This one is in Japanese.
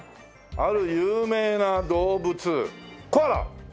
ある有名な動物コアラ！